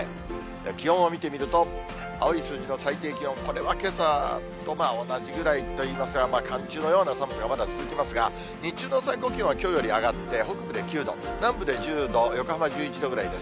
気温を見てみると、青い数字の最低気温、これはけさと同じぐらいといいますか、寒中のような寒さがまだ続きますが、日中の最高気温はきょうより上がって、北部で９度、南部で１０度、横浜１１度ぐらいです。